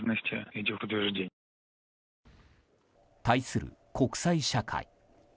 対する国際社会。